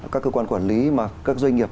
các cơ quan quản lý mà các doanh nghiệp